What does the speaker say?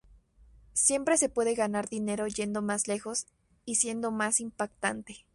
Siempre se puede ganar dinero yendo más lejos y siendo más impactante.